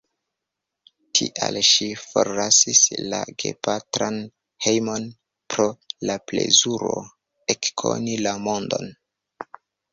Tial ŝi forlasis la gepatran hejmon, pro la plezuro ekkoni la mondon.